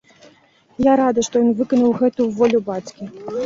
Я рада, што ён выканаў гэту волю бацькі.